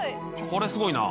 「これすごいな」